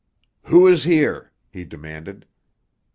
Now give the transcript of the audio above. "Who is here?" he demanded.